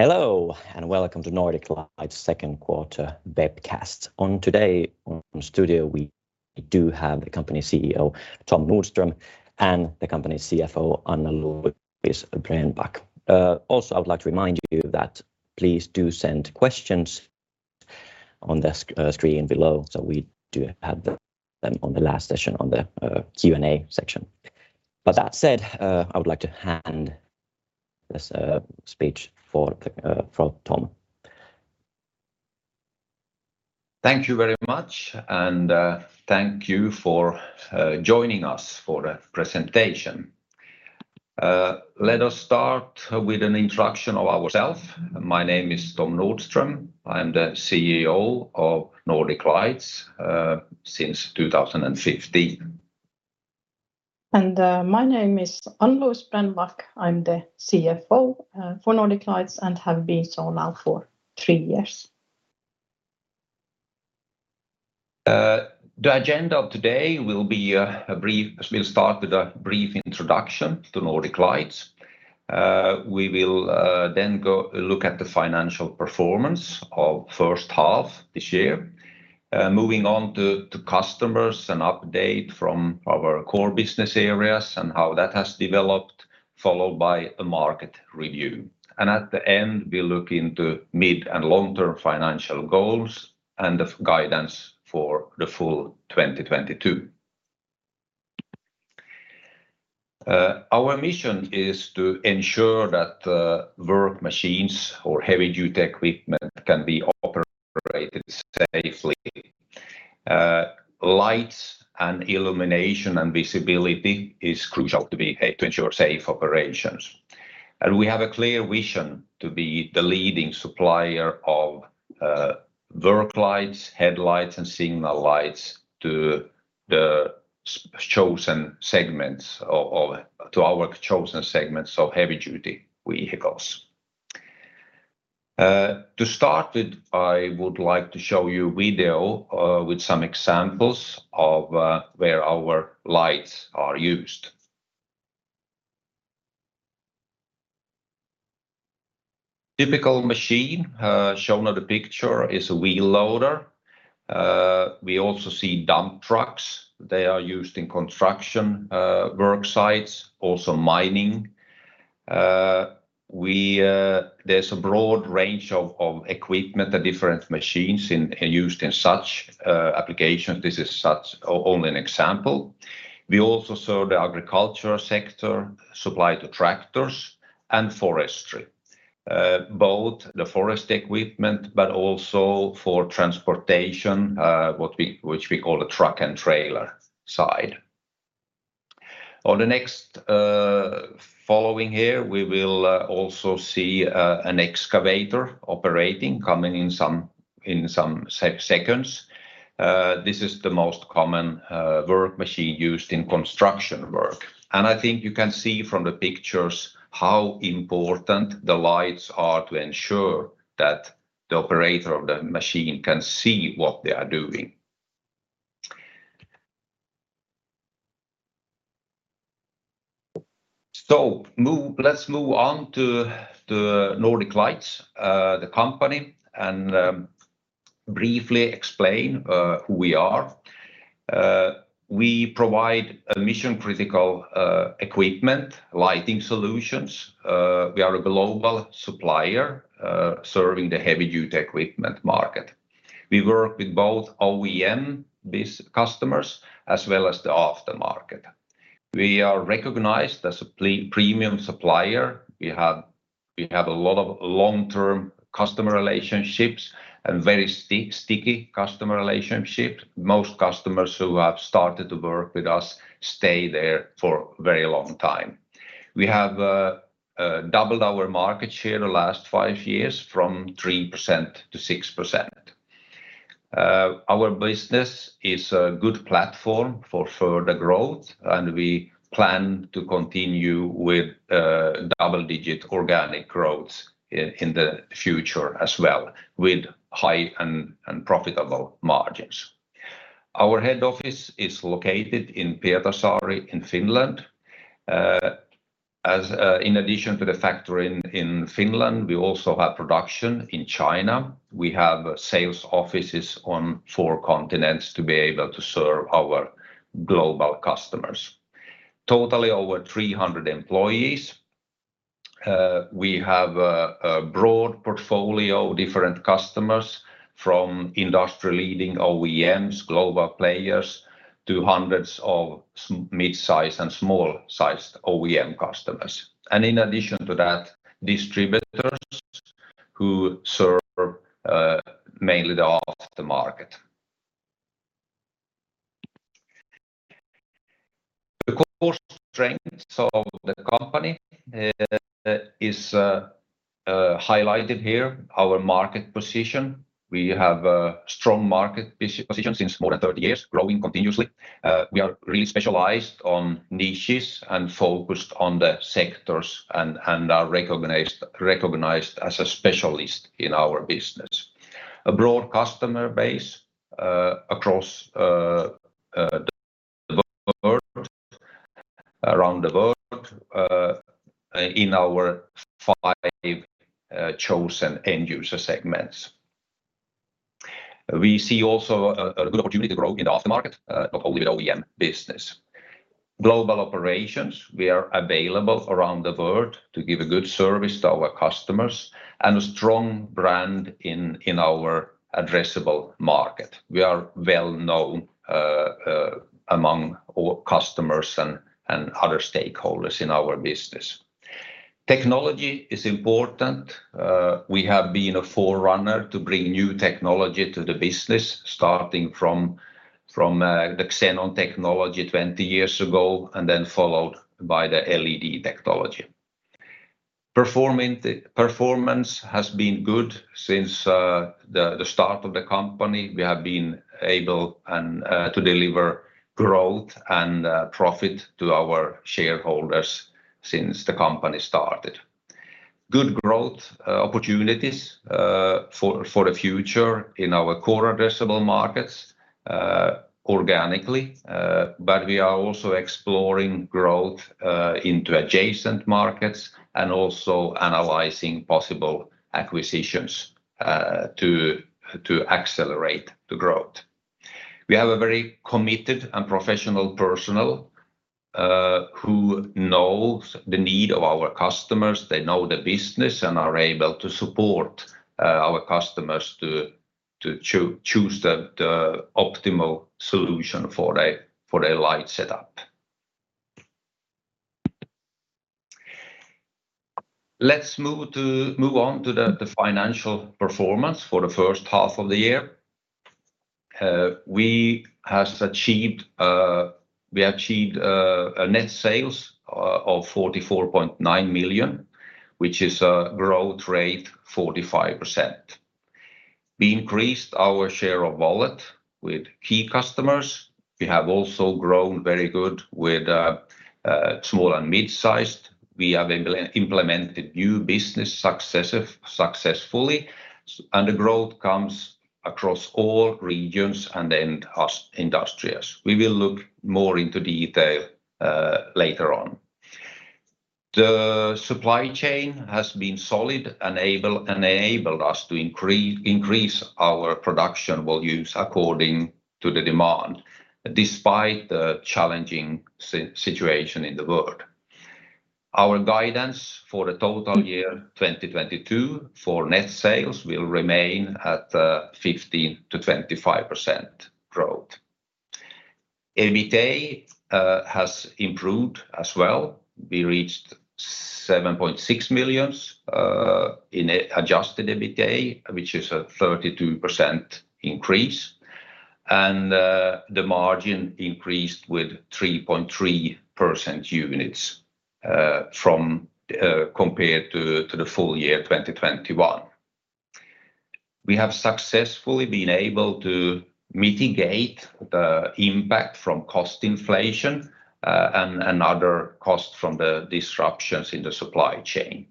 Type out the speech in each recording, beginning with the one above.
Hello, and welcome to Nordic Lights Q2 webcast. Today in studio, we do have the company CEO, Tom Nordström, and the company CFO, Ann-Louise Brännback. Also, I would like to remind you that please do send questions on the screen below so we do have them on the last session on the Q&A section. With that said, I would like to hand this speech over to Tom. Thank you very much, and thank you for joining us for the presentation. Let us start with an introduction of ourself. My name is Tom Nordström. I'm the CEO of Nordic Lights since 2015. My name is Ann-Louise Brännback. I'm the CFO for Nordic Lights and have been so now for three years. The agenda of today will be a brief, we'll start with a brief introduction to Nordic Lights. We will then go look at the financial performance of first half this year, moving on to customers and update from our core business areas and how that has developed, followed by a market review. At the end, we'll look into mid and long-term financial goals and the guidance for the full 2022. Our mission is to ensure that the work machines or heavy-duty equipment can be operated safely. Lights and illumination and visibility is crucial to ensure safe operations. We have a clear vision to be the leading supplier of work lights, headlights, and signal lights to our chosen segments of heavy-duty vehicles. To start it, I would like to show you video with some examples of where our lights are used. Typical machine shown on the picture is a wheel loader. We also see dump trucks. They are used in construction work sites, also mining. There's a broad range of equipment and different machines used in such applications. This is such only an example. We also serve the agriculture sector, supply to tractors and forestry both the forest equipment, but also for transportation which we call the truck and trailer side. On the next following here, we will also see an excavator operating, coming in some seconds. This is the most common work machine used in construction work. I think you can see from the pictures how important the lights are to ensure that the operator of the machine can see what they are doing. Let's move on to Nordic Lights, the company, and briefly explain who we are. We provide mission-critical equipment lighting solutions. We are a global supplier serving the heavy-duty equipment market. We work with both OEM-based customers as well as the aftermarket. We are recognized as a premium supplier. We have a lot of long-term customer relationships and very sticky customer relationships. Most customers who have started to work with us stay there for a very long time. We have doubled our market share the last five years from 3%-6%. Our business is a good platform for further growth, and we plan to continue with double-digit organic growth in the future as well with high and profitable margins. Our head office is located in Pietarsaari in Finland. In addition to the factory in Finland, we also have production in China. We have sales offices on four continents to be able to serve our global customers. Totally over 300 employees. We have a broad portfolio of different customers from industry-leading OEMs, global players, to hundreds of mid-size and small-sized OEM customers. In addition to that, distributors who serve mainly the aftermarket. The core strengths of the company is highlighted here, our market position. We have a strong market position since more than 30 years, growing continuously. We are really specialized on niches and focused on the sectors and are recognized as a specialist in our business. A broad customer base around the world in our five chosen end user segments. We see also a good opportunity to grow in the after-market not only with OEM business. Global operations, we are available around the world to give a good service to our customers, and a strong brand in our addressable market. We are well-known among our customers and other stakeholders in our business. Technology is important. We have been a forerunner to bring new technology to the business, starting from the xenon technology 20 years ago, and then followed by the LED technology. Performance has been good since the start of the company. We have been able and to deliver growth and profit to our shareholders since the company started. Good growth opportunities for the future in our core addressable markets organically. We are also exploring growth into adjacent markets, and also analyzing possible acquisitions to accelerate the growth. We have a very committed and professional personnel who knows the need of our customers. They know the business and are able to support our customers to choose the optimal solution for their light setup. Let's move on to the financial performance for the first half of the year. We achieved a net sales of 44.9 million, which is a growth rate 45%. We increased our share of wallet with key customers. We have also grown very good with small and mid-sized. We have implemented new business successfully, and the growth comes across all regions and industries. We will look more into detail later on. The supply chain has been solid, enabled us to increase our production volumes according to the demand, despite the challenging situation in the world. Our guidance for the full year 2022 for net sales will remain at 15%-25% growth. EBITA has improved as well. We reached 7.6 million in Adjusted EBITA, which is a 32% increase. The margin increased with 3.3 percentage points compared to the full year 2021. We have successfully been able to mitigate the impact from cost inflation and other costs from the disruptions in the supply chain.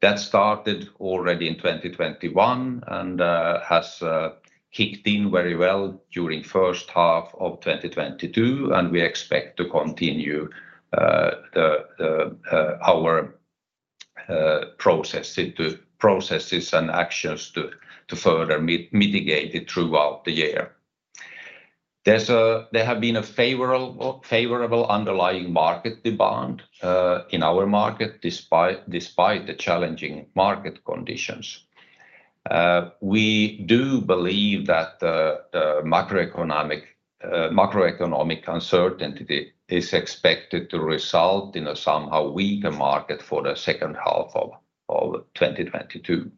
That started already in 2021 and has kicked in very well during first half of 2022, and we expect to continue our processes and actions to further mitigate it throughout the year. There have been a favorable underlying market demand in our market despite the challenging market conditions. We do believe that the macroeconomic uncertainty is expected to result in a somehow weaker market for the second half of 2022.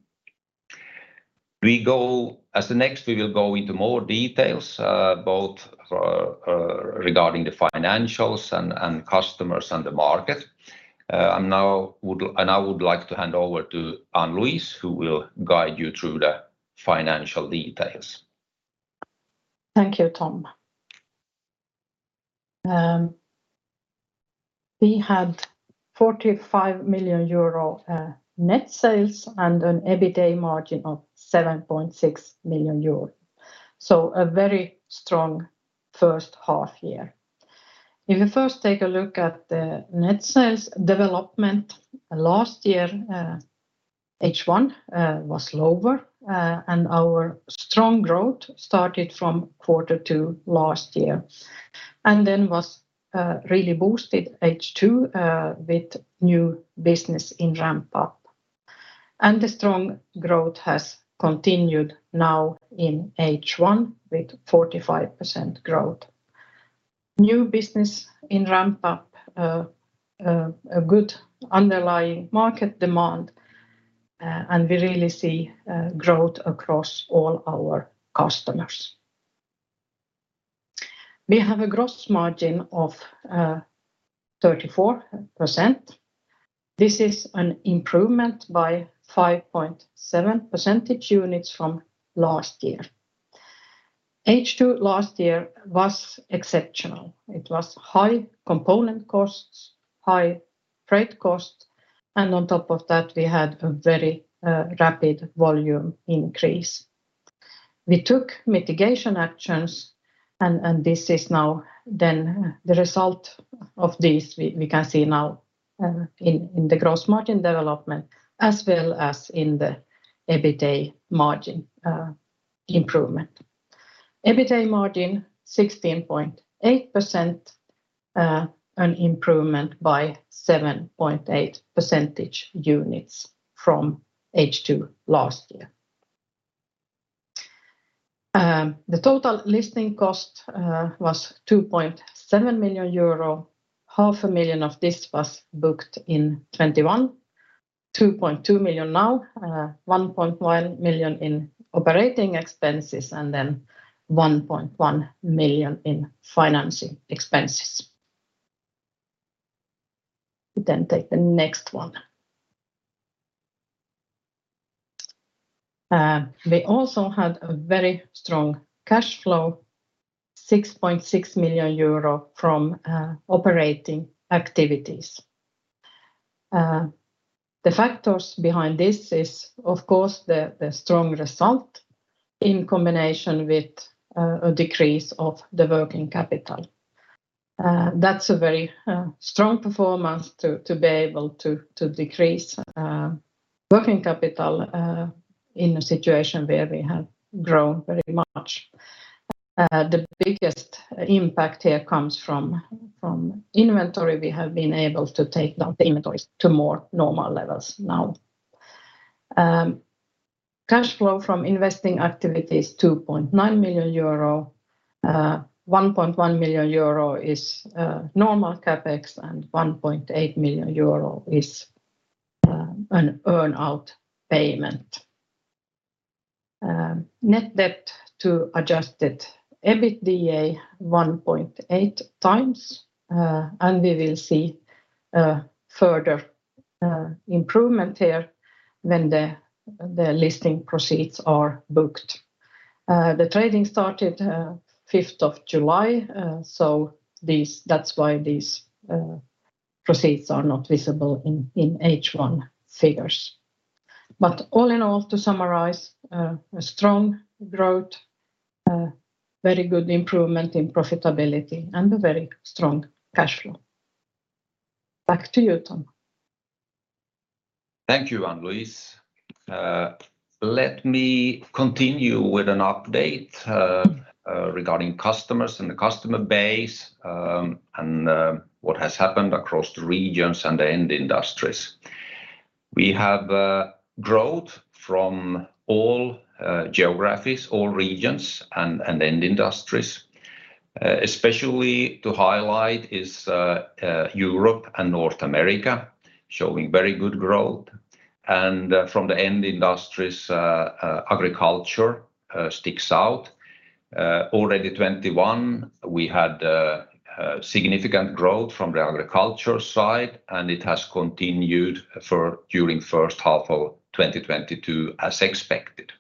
Next, we will go into more details both regarding the financials and customers and the market. I would like to hand over to Ann-Louise Brännback, who will guide you through the financial details. Thank you, Tom. We had 45 million euro net sales and an EBITA margin of 7.6 million euro, so a very strong first half year. If you first take a look at the net sales development, last year, H1 was lower, and our strong growth started from Q2 last year. Then was really boosted H2 with new business in ramp-up. The strong growth has continued now in H1 with 45% growth. New business in ramp-up, a good underlying market demand, and we really see growth across all our customers. We have a gross margin of 34%. This is an improvement by 5.7 percentage units from last year. H2 last year was exceptional. It was high component costs, high freight cost, and on top of that we had a very rapid volume increase. We took mitigation actions and this is now the result of this we can see now in the gross margin development as well as in the EBITA margin improvement. EBITA margin 16.8%, an improvement by 7.8 percentage units from H2 last year. The total listing cost was 2.7 million euro, half a million of this was booked in 2021. 2.2 million now, 1.1 million in operating expenses, and then 1.1 million in financing expenses. Take the next one. We also had a very strong cash flow, 6.6 million euro from operating activities. The factors behind this is of course the strong result in combination with a decrease of the working capital. That's a very strong performance to be able to decrease working capital in a situation where we have grown very much. The biggest impact here comes from inventory. We have been able to take down the inventories to more normal levels now. Cash flow from investing activities, 2.9 million euro, 1.1 million euro is normal CapEx, and 1.8 million euro is an earn-out payment. Net debt to Adjusted EBITDA 1.8x. We will see further improvement here when the listing proceeds are booked. The trading started 5th of July, so this. That's why these proceeds are not visible in H1 figures. All in all, to summarize, a strong growth, very good improvement in profitability, and a very strong cash flow. Back to you, Tom. Thank you, Ann-Louise. Let me continue with an update regarding customers and the customer base, and what has happened across the regions and the end industries. We have growth from all geographies, all regions and end industries. Especially to highlight is Europe and North America showing very good growth. From the end industries, agriculture sticks out. Already 2021 we had significant growth from the agriculture side, and it has continued during first half of 2022 as expected.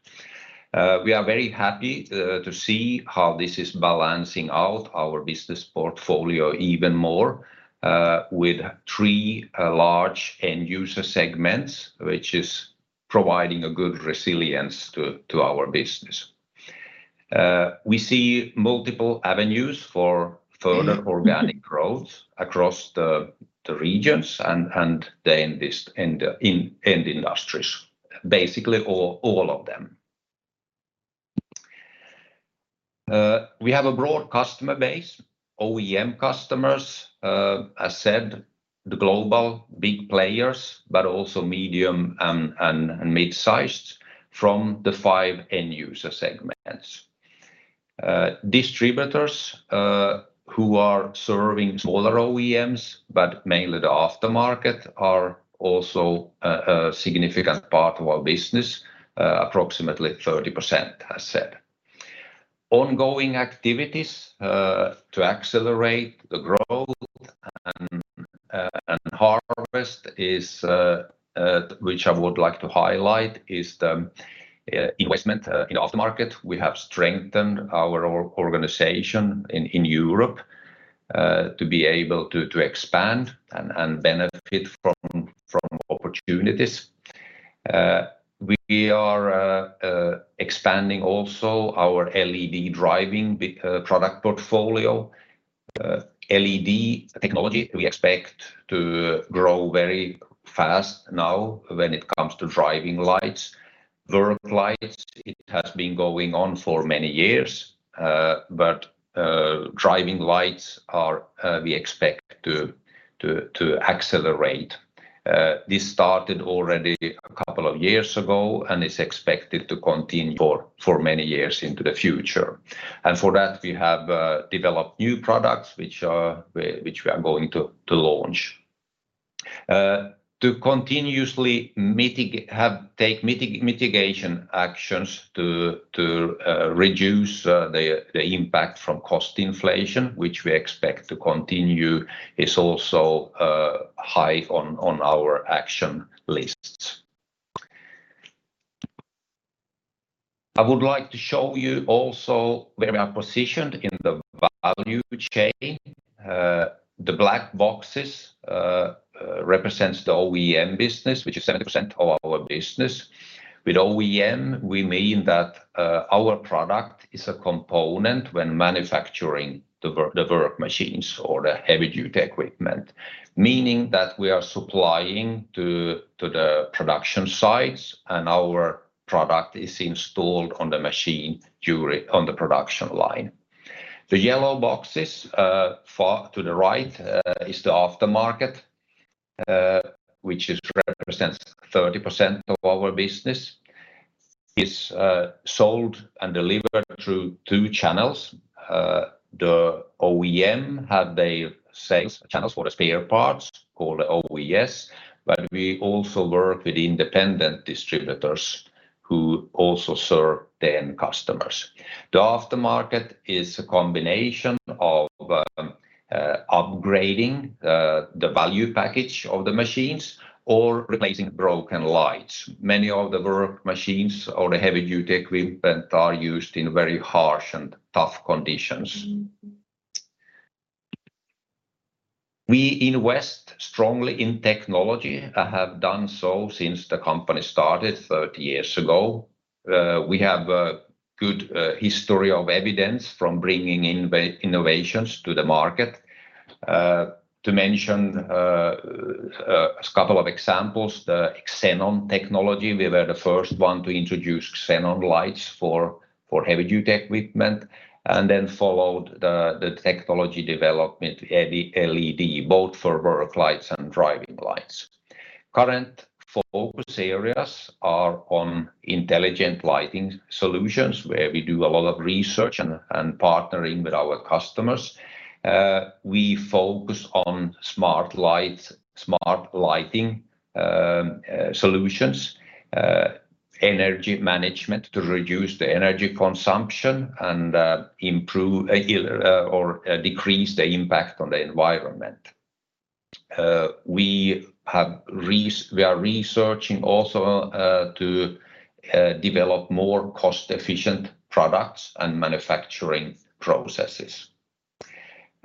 We are very happy to see how this is balancing out our business portfolio even more with three large end user segments, which is providing a good resilience to our business. We see multiple avenues for further organic growth across the regions and the end industries, basically all of them. We have a broad customer base, OEM customers, as said, the global big players, but also medium and mid-sized from the five end user segments. Distributors who are serving smaller OEMs, but mainly the aftermarket, are also a significant part of our business, approximately 30% as said. Ongoing activities to accelerate the growth and harness, which I would like to highlight is the investment in aftermarket. We have strengthened our organization in Europe to be able to expand and benefit from opportunities. We are expanding also our LED driving product portfolio. LED technology we expect to grow very fast now when it comes to Driving Lights. Work Lights, it has been going on for many years, but Driving Lights, we expect to accelerate. This started already a couple of years ago and is expected to continue for many years into the future. For that we have developed new products which we are going to launch. To continuously take mitigation actions to reduce the impact from cost inflation, which we expect to continue, is also high on our action lists. I would like to show you also where we are positioned in the value chain. The black boxes represents the OEM business, which is 70% of our business. With OEM, we mean that our product is a component when manufacturing the work machines or the heavy-duty equipment, meaning that we are supplying to the production sites and our product is installed on the machine on the production line. The yellow boxes far to the right is the aftermarket, which represents 30% of our business. It's sold and delivered through two channels. The OEM have their sales channels for the spare parts called OES, but we also work with independent distributors who also serve the end customers. The aftermarket is a combination of upgrading the value package of the machines or replacing broken lights. Many of the work machines or the heavy-duty equipment are used in very harsh and tough conditions. We invest strongly in technology and have done so since the company started 30 years ago. We have a good history of evidence from bringing innovations to the market. To mention a couple of examples, the xenon technology. We were the first one to introduce xenon lights for heavy-duty equipment and then followed the technology development, the LED, both for work lights and driving lights. Current focus areas are on intelligent lighting solutions, where we do a lot of research and partnering with our customers. We focus on smart lights, smart lighting solutions, energy management to reduce the energy consumption and improve or decrease the impact on the environment. We are researching also to develop more cost-efficient products and manufacturing processes.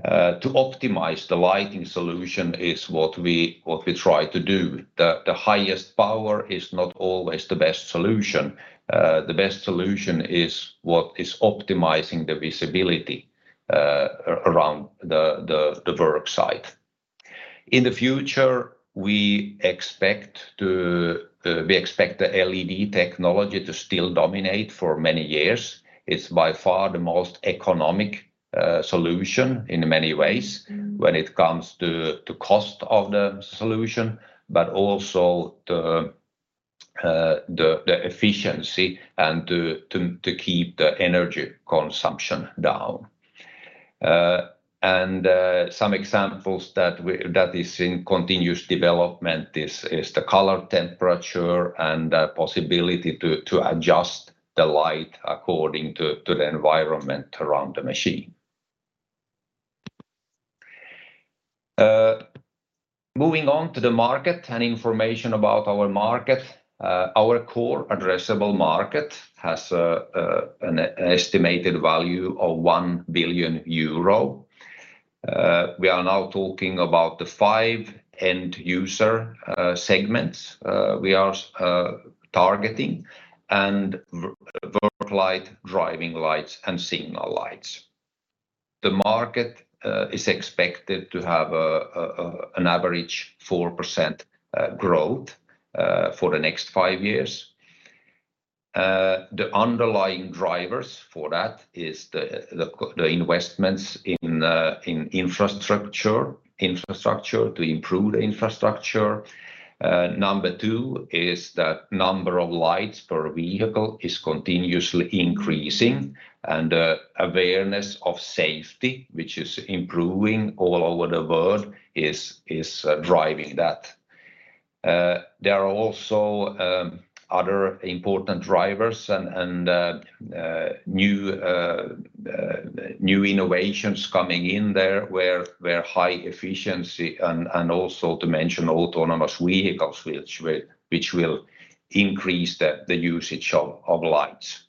To optimize the lighting solution is what we try to do. The highest power is not always the best solution. The best solution is what is optimizing the visibility around the work site. In the future, we expect the LED technology to still dominate for many years. It's by far the most economic solution in many ways when it comes to cost of the solution, but also the efficiency and to keep the energy consumption down. Some examples that is in continuous development is the color temperature and the possibility to adjust the light according to the environment around the machine. Moving on to the market and information about our market. Our core addressable market has an estimated value of 1 billion euro. We are now talking about the five end user segments we are targeting and work lights, Driving Lights and Signal Lights. The market is expected to have an average 4% growth for the next five years. The underlying drivers for that is the investments in infrastructure to improve the infrastructure. Number two is the number of lights per vehicle is continuously increasing and the awareness of safety, which is improving all over the world is driving that. There are also other important drivers and new innovations coming in there where high efficiency and also to mention autonomous vehicles which will increase the usage of lights.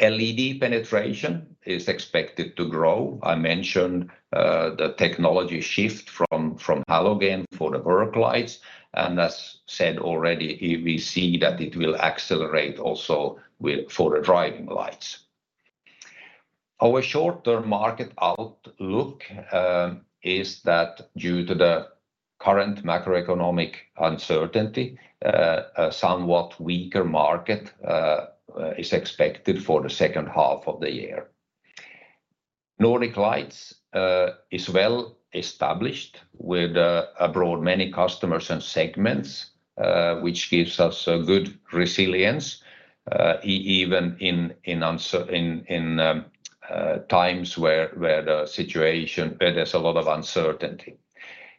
LED penetration is expected to grow. I mentioned the technology shift from halogen for the Work Lights, and as said already, we see that it will accelerate also for the Driving Lights. Our short-term market outlook is that due to the current macroeconomic uncertainty, a somewhat weaker market is expected for the second half of the year. Nordic Lights is well established with abroad many customers and segments, which gives us a good resilience even in uncertain times where there's a lot of uncertainty.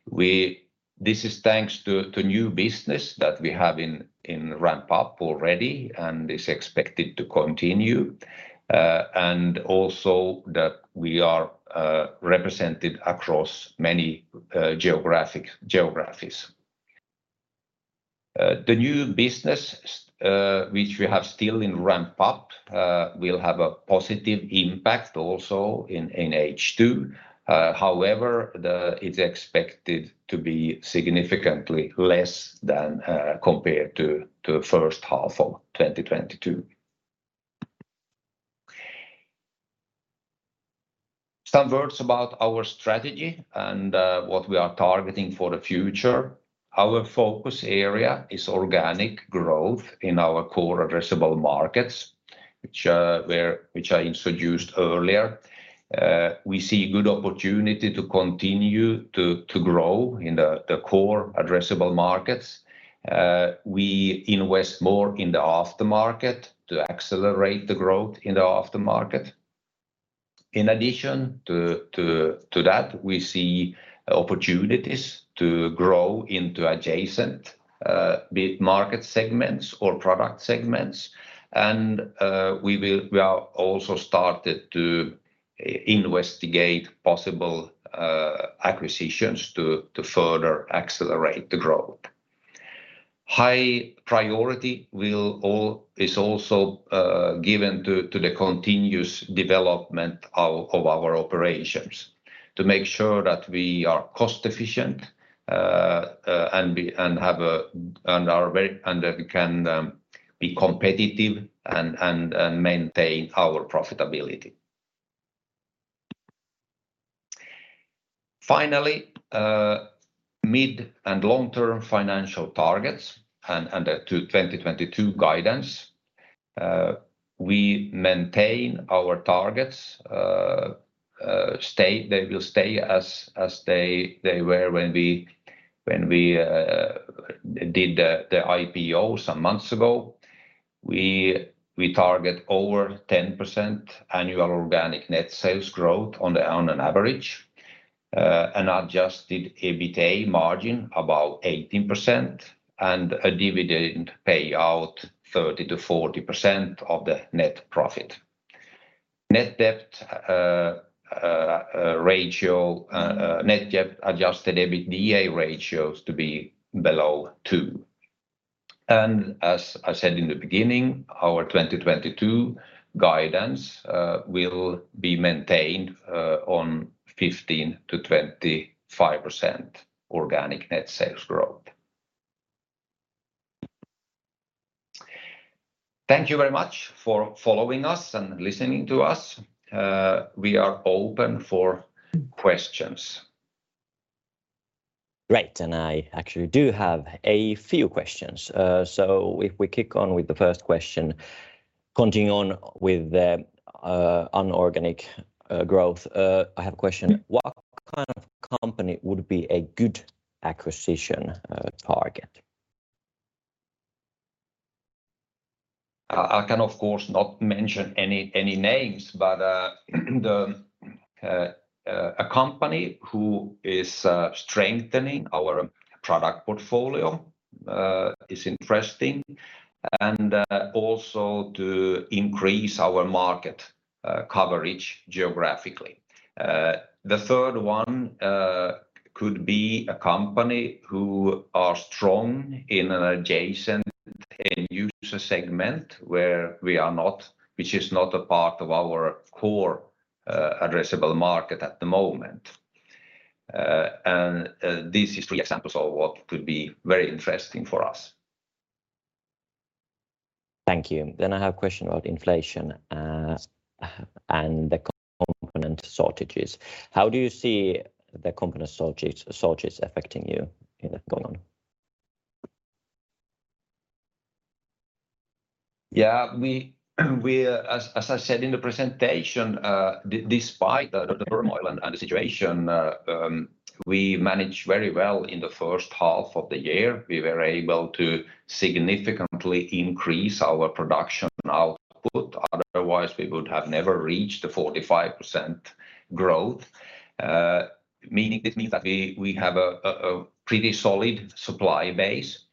We. This is thanks to new business that we have in ramp up already and is expected to continue, and also that we are represented across many geographies. The new business, which we have still in ramp up, will have a positive impact also in H2. However, it's expected to be significantly less than, compared to, first half of 2022. Some words about our strategy and what we are targeting for the future. Our focus area is organic growth in our core addressable markets, which I introduced earlier. We see good opportunity to continue to grow in the core addressable markets. We invest more in the aftermarket to accelerate the growth in the aftermarket. In addition to that, we see opportunities to grow into adjacent big market segments or product segments and we are also started to investigate possible acquisitions to further accelerate the growth. High priority is also given to the continuous development of our operations to make sure that we are cost-efficient and that we can be competitive and maintain our profitability. Finally, mid and long-term financial targets and to 2022 guidance. We maintain our targets. They will stay as they were when we did the IPO some months ago. We target over 10% annual organic net sales growth on the. On an average, an Adjusted EBITDA margin about 18% and a dividend payout 30%-40% of the net profit. Net debt Adjusted EBITDA ratio to be below 2. As I said in the beginning, our 2022 guidance will be maintained on 15%-25% organic net sales growth. Thank you very much for following us and listening to us. We are open for questions. Great, I actually do have a few questions. If we kick off with the first question, continuing on with the inorganic growth, I have a question. What kind of company would be a good acquisition target? I can of course not mention any names, but a company who is strengthening our product portfolio is interesting, and also to increase our market coverage geographically. The third one could be a company who are strong in an adjacent end user segment where we are not, which is not a part of our core addressable market at the moment. This is three examples of what could be very interesting for us. Thank you. I have a question about inflation, and the component shortages. How do you see the component shortages affecting you going forward? Yeah, we as I said in the presentation, despite the turmoil and the situation, we managed very well in the first half of the year. We were able to significantly increase our production output, otherwise we would have never reached the 45% growth, meaning it means that we have a pretty solid supply base.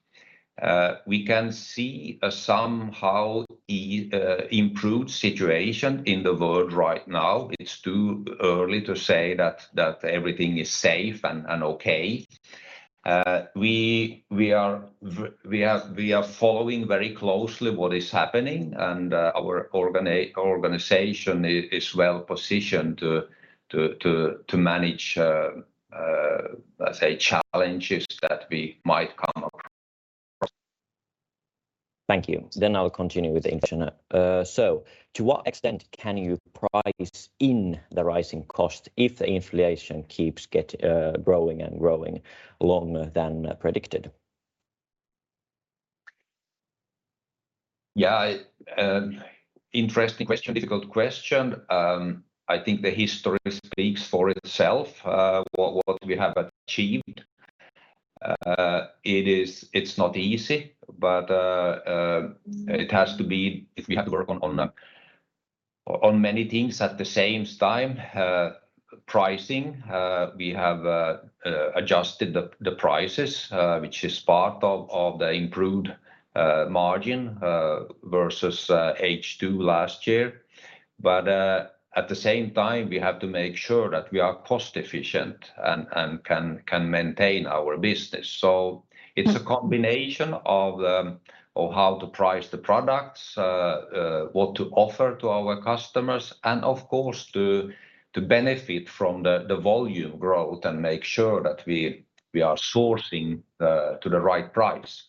We can see a somehow improved situation in the world right now. It's too early to say that everything is safe and okay. We are following very closely what is happening and our organization is well positioned to manage, let's say challenges that we might come across. Thank you. I'll continue with the interim. To what extent can you price in the rising cost if the inflation keeps growing and growing longer than predicted? Yeah, interesting question, difficult question. I think the history speaks for itself, what we have achieved. It's not easy, but it has to be if we have to work on many things at the same time. Pricing, we have adjusted the prices, which is part of the improved margin versus H2 last year. At the same time, we have to make sure that we are cost efficient and can maintain our business. It's a combination of how to price the products, what to offer to our customers and of course to benefit from the volume growth and make sure that we are sourcing to the right price.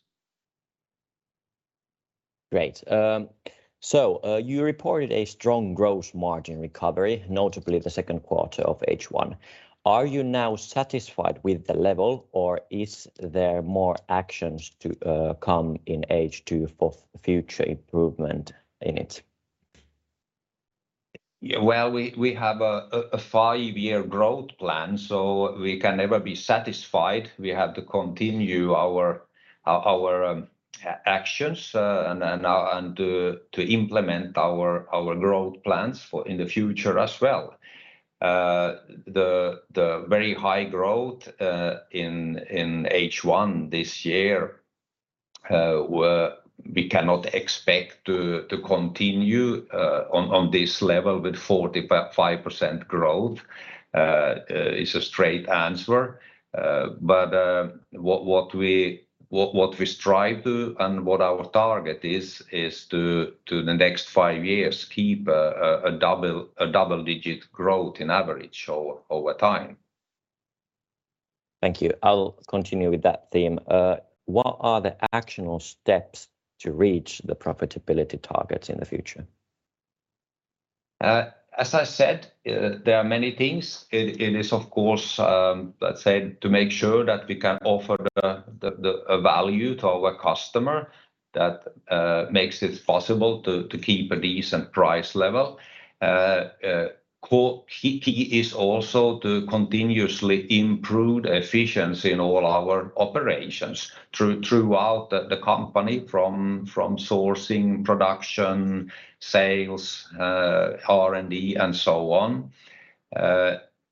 Great. You reported a strong gross margin recovery, notably the Q2 of H1. Are you now satisfied with the level, or is there more actions to come in H2 for future improvement in it? Yeah, well, we have a five-year growth plan, so we can never be satisfied. We have to continue our actions and to implement our growth plans for the future as well. The very high growth in H1 this year, we cannot expect to continue on this level with 45% growth. That is a straight answer. What we strive to and what our target is is to over the next five years keep a double-digit growth on average over time. Thank you. I'll continue with that theme. What are the actionable steps to reach the profitability targets in the future? As I said, there are many things. It is, of course, let's say, to make sure that we can offer a value to our customer that makes it possible to keep a decent price level. The key is also to continuously improve efficiency in all our operations throughout the company from sourcing, production, sales, R&D and so on.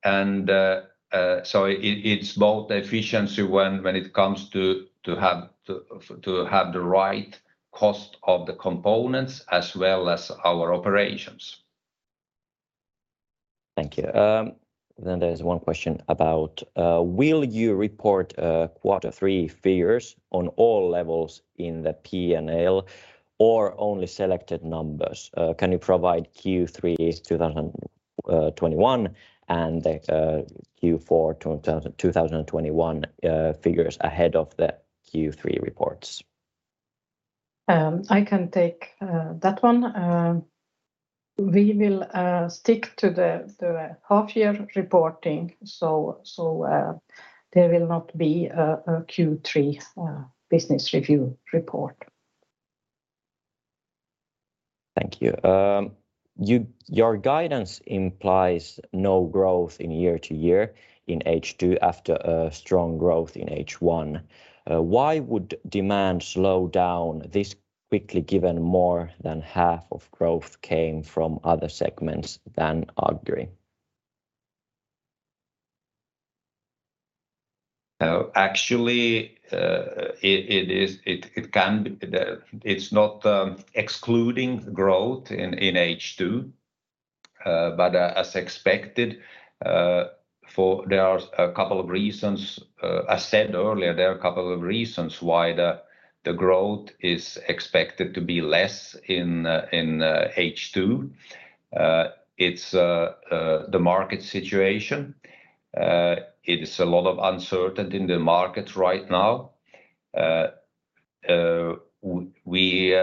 It's both efficiency when it comes to having the right cost of the components as well as our operations. Thank you. There's one question about will you report Q3 figures on all levels in the P&L or only selected numbers? Can you provide Q3 2021 and the Q4 2021 figures ahead of the Q3 reports? I can take that one. We will stick to the half year reporting. There will not be a Q3 business review report. Thank you. Your guidance implies no growth year-over-year in H2 after a strong growth in H1. Why would demand slow down this quickly given more than half of growth came from other segments than Agri? Actually, it is not excluding growth in H2. As expected, there are a couple of reasons. I said earlier, there are a couple of reasons why the growth is expected to be less in H2. It's the market situation. It is a lot of uncertainty in the market right now. We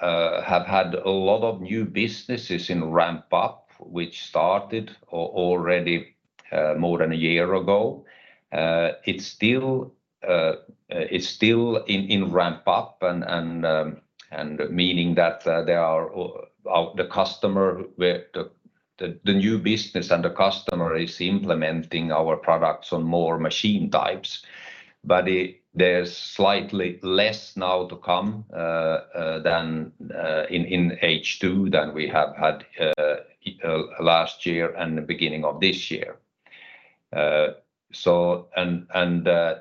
have had a lot of new businesses in ramp up, which started already more than a year ago. It's still in ramp up and meaning that there are at the customer where the new business and the customer is implementing our products on more machine types. There's slightly less now to come than in H2 than we have had last year and the beginning of this year.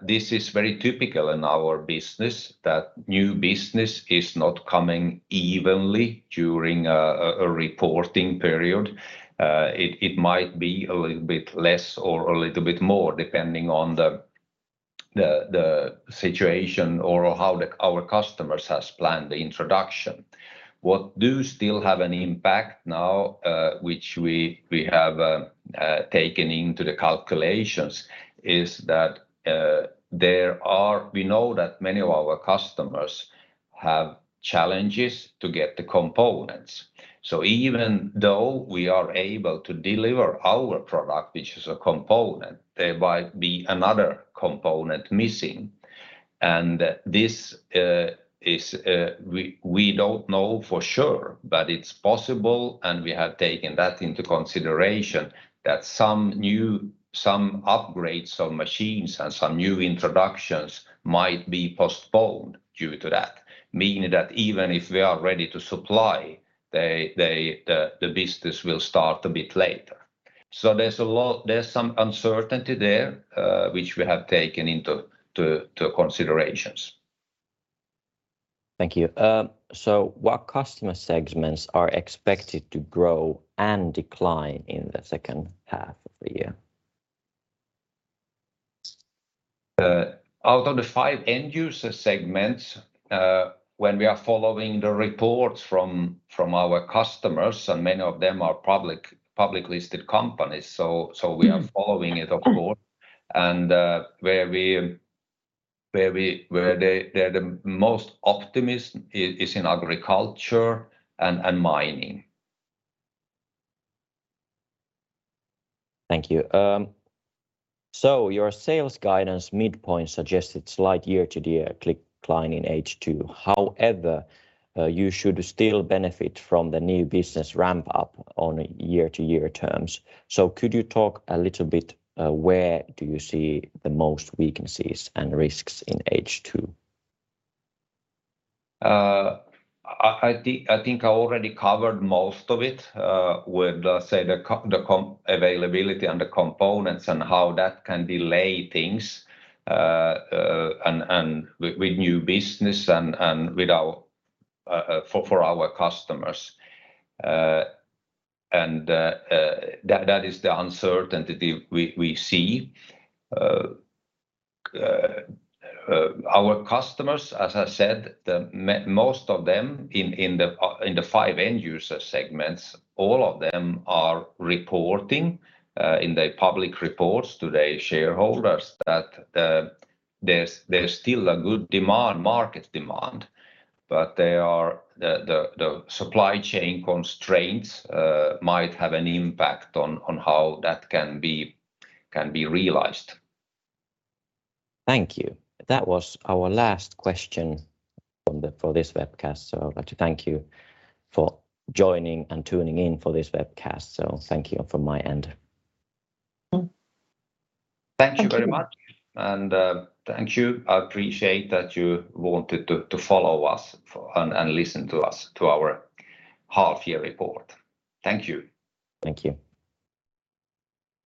This is very typical in our business that new business is not coming evenly during a reporting period. It might be a little bit less or a little bit more depending on the situation or how our customers has planned the introduction. What do still have an impact now, which we have taken into the calculations is that, we know that many of our customers have challenges to get the components. Even though we are able to deliver our product, which is a component, there might be another component missing. We don't know for sure, but it's possible, and we have taken that into consideration that some upgrades on machines and some new introductions might be postponed due to that. Meaning that even if we are ready to supply, the business will start a bit later. There's some uncertainty there, which we have taken into consideration. Thank you. What customer segments are expected to grow and decline in the second half of the year? Out of the five end user segments, when we are following the reports from our customers, and many of them are public listed companies so we are following it of course. They're the most optimistic in agriculture and mining. Thank you. Your sales guidance midpoint suggested slight year-over-year like decline in H2. However, you should still benefit from the new business ramp up in year-over-year terms. Could you talk a little bit, where do you see the most weaknesses and risks in H2? I think I already covered most of it with, say, the availability and the components and how that can delay things and with new business and with our for our customers. That is the uncertainty we see. Our customers, as I said, most of them in the five end user segments, all of them are reporting in their public reports to their shareholders that there's still a good demand, market demand, but they are. The supply chain constraints might have an impact on how that can be realized. Thank you. That was our last question for this webcast. I'd like to thank you for joining and tuning in for this webcast. Thank you from my end. Thank you very much. Thank you. Thank you. I appreciate that you wanted to follow us and listen to us, to our half-year report. Thank you. Thank you.